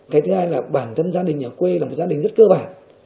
cái thứ hai là bản thân gia đình ở quê là một gia đình rất cơ bản